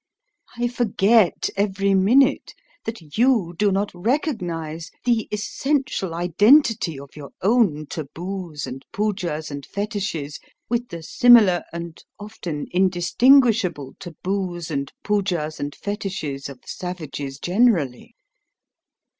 I forget every minute that YOU do not recognise the essential identity of your own taboos and poojahs and fetiches with the similar and often indistinguishable taboos and poojahs and fetiches of savages generally.